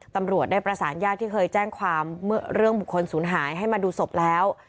ตำรวจได้ประสานญาติที่เคยแจ้งความเรื่องบุคคลศูนย์หายให้มาดูศพแล้ว